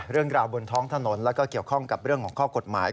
เรื่องราวบนท้องถนนแล้วก็เกี่ยวข้องกับเรื่องของข้อกฎหมาย